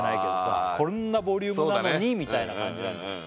あこんなボリュームなのにみたいな感じなんじゃない？